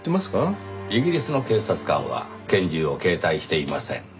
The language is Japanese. イギリスの警察官は拳銃を携帯していません。